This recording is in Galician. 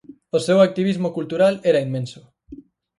O seu activismo cultural era inmenso.